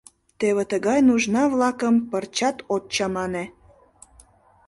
Теве тыгай нужна-влакым пырчат от чамане!..